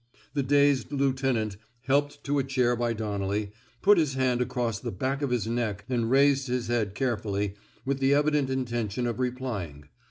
" The dazed lieutenant — helped to a chair by Donnelly — put his hand across the back of his neck and raised his head carefully, with the evident intention of replying.